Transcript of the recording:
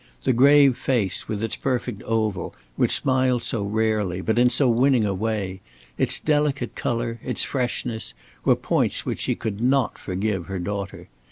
The grave face with its perfect oval, which smiled so rarely, but in so winning a way, its delicate color, its freshness, were points which she could not forgive her daughter.